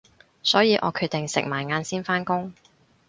所以我決定食埋晏先返工